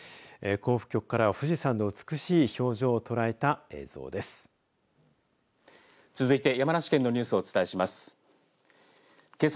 甲府局からは富士山の美しい表情を捉えた映像です。